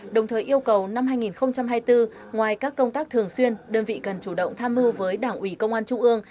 đồng thời yêu cầu năm hai nghìn hai mươi bốn ngoài các công tác thường xuyên đơn vị cần chủ động tham mưu với đảng ủy công an trung ương